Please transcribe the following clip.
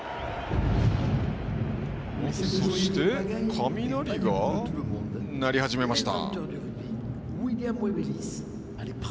そして雷が鳴り始めました。